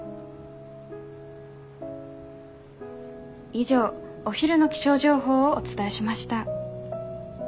以上お昼の気象情報をお伝えしました。